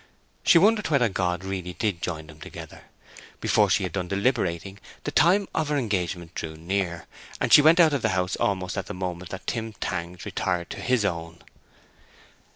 She wondered whether God really did join them together. Before she had done deliberating the time of her engagement drew near, and she went out of the house almost at the moment that Tim Tangs retired to his own.